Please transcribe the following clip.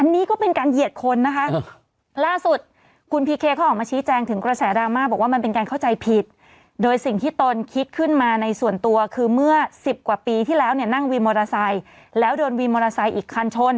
นั่งวินมอเตอร์ไซค์แล้วโดนวินมอเตอร์ไซค์อีกคันชน